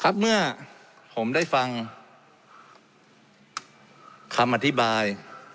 เมื่อผมได้ฟังคำอธิบาย